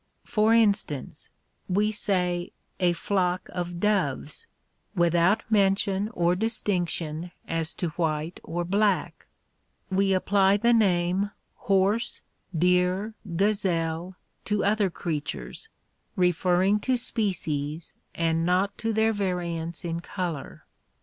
For instance we say "a flock of doves," without mention or distinction as to white or black; we apply the name ''horse," "deer," "gazelle" to other creatures, referring to species and not to their variance in color.